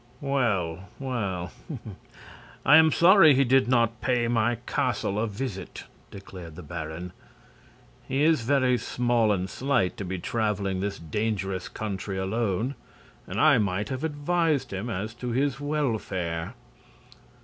"Well, well; I am sorry he did not pay my castle a visit," declared the baron. "He is very small and slight to be traveling this dangerous country alone, and I might have advised him as to his welfare."